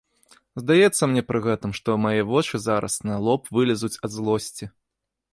Здаецца мне пры гэтым, што мае вочы зараз на лоб вылезуць ад злосці.